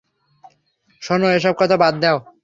শোনো, এসব কথা বাদ দাও।